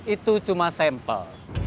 itu cuma sampel